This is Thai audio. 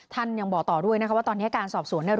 ยังบอกต่อด้วยนะคะว่าตอนนี้การสอบสวนเนี่ย